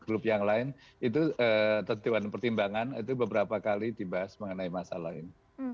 grup yang lain itu tentuan pertimbangan itu beberapa kali dibahas mengenai masalah ini